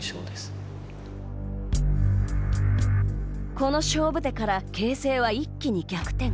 この勝負手から形勢は一気に逆転。